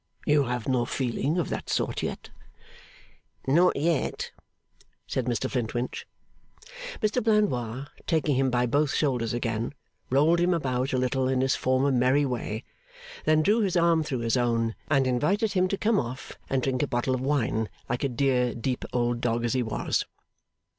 You have no feeling of that sort yet?' 'Not yet,' said Mr Flintwinch. Mr Blandois, taking him by both shoulders again, rolled him about a little in his former merry way, then drew his arm through his own, and invited him to come off and drink a bottle of wine like a dear deep old dog as he was.